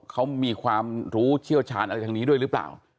เขามีความรู้เชี่ยวชาญอะไรทางนี้ด้วยหรือเปล่า